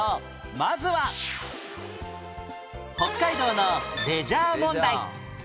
まずは北海道のレジャー問題